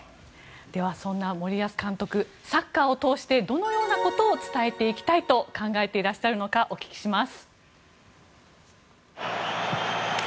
ではそんな森保監督サッカーを通してどのようなことを伝えていきたいと考えていらっしゃるのかお聞きします。